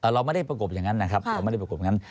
เราไม่ได้ประกบอย่างนั้นนะครับเราไม่ได้ประกบงั้น